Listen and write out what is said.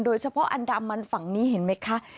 โดยเฉพาะอันดามมันฝั่งนี้เห็นไหมคะ